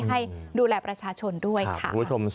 ให้ดูแลประชาชนด้วยค่ะ